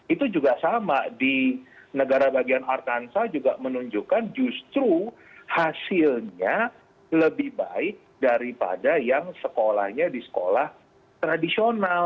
itu juga sama di negara bagian artansa juga menunjukkan justru hasilnya lebih baik daripada yang sekolahnya di sekolah tradisional